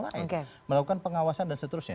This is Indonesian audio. lain melakukan pengawasan dan seterusnya